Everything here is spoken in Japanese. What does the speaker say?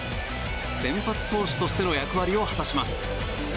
先発投手としての役割を果たします。